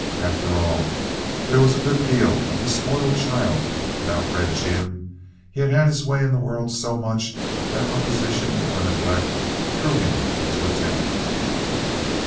After all, there was a good deal of the spoiled child about Red Jim. He had had his way in the world so much that opposition or neglect threw him into a temper.